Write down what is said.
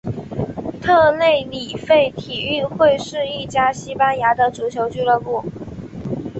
特内里费体育会是一家西班牙的足球俱乐部。